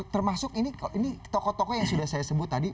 termasuk ini toko toko yang sudah saya sebut tadi